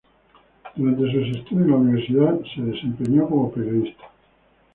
Durante sus estudios en la universidad de desempeñó como periodista.